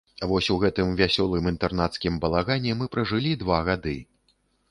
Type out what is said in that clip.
Вось у гэтым вясёлым інтэрнацкім балагане мы пражылі два гады.